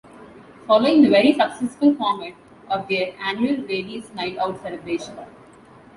Following the very successful format of their Annual Ladies Night Out celebration...